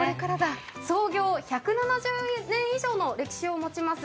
創業１７０年以上の歴史を持ちます